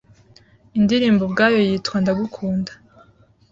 Indirimbo ubwayo yitwa Ndagukunda